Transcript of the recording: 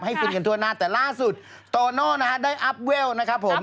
ให้ฟื้นกันทั่วหน้าแต่ล่าสุดโตโน่นะครับได้อัพเวลนะครับ